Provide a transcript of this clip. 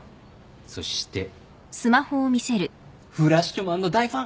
そして『フラッシュマン』の大ファン！